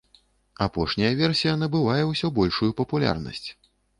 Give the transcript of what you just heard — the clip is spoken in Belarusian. Апошняя версія набывае ўсё большую папулярнасць.